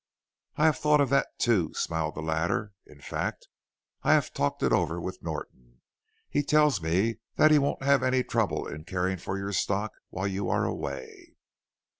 "I have thought of that too," smiled the latter. "In fact, I have talked it over with Norton. He tells me that he won't have any trouble in caring for your stock while you are away."